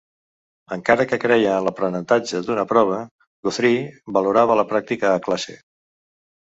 Encara que creia en l'aprenentatge d'una prova, Guthrie valorava la pràctica a classe.